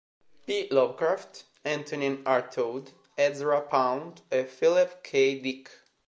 P. Lovecraft, Antonin Artaud, Ezra Pound e Philip K. Dick.